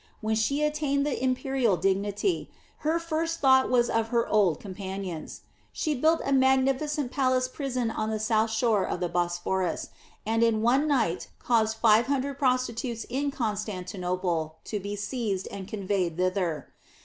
When she attained the imperial dignity, her first thought was of her old companions. She built a magnificent palace prison on the south shore of the Bosphorus, and in one night caused five hundred prostitutes in Constantinople to be seized and conveyed thither.